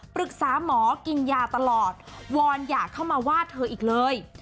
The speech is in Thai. ปรึกษาหมอกินยาตลอดวอนอย่าเข้ามาว่าเธออีกเลย